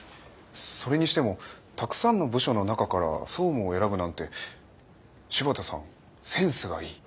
それにしてもたくさんの部署の中から総務を選ぶなんて柴田さんセンスがいい。